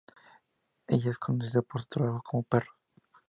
Ella es conocida por su trabajo con perros.